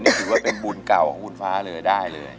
นี่ถือว่าเป็นบุญเก่าของคุณฟ้าเลยได้เลย